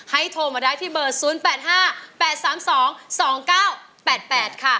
โทรมาได้ที่เบอร์๐๘๕๘๓๒๒๙๘๘ค่ะ